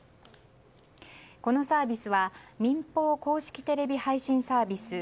このサービスは民放公式テレビ配信サービス